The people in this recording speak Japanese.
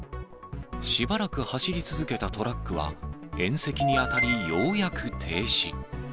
しばらく走り続けたトラックは、縁石に当たり、ようやく停止。